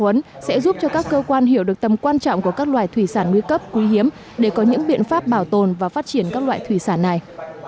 thủy sản huấn sẽ giúp cho các cơ quan hiểu được tầm quan trọng của các loài thủy sản nguy cấp quý hiếm để có những biện pháp bảo tồn và phát triển các loài thủy sản này